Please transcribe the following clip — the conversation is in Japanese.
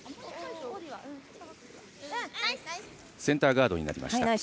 センターガードになりました。